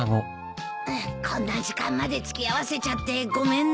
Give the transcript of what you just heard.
こんな時間まで付き合わせちゃってごめんね。